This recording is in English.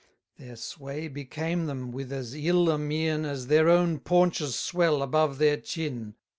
Their sway became them with as ill a mien, As their own paunches swell above their chin.